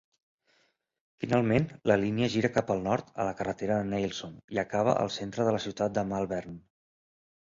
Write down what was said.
Finalment, la línia gira cap al nord a la carretera de Neilson, i acaba al centre de la ciutat de Malvern.